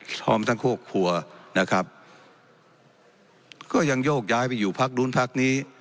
พร้อมทั้งครอบครัวนะครับก็ยังโยกย้ายไปอยู่พักนู้นพักนี้